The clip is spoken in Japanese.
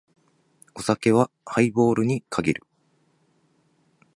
お酒はハイボールに限る。